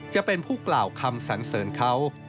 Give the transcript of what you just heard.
จะเป็นผู้กล่าวคำสันเสริญเขา